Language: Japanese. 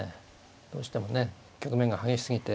どうしてもね局面が激しすぎて。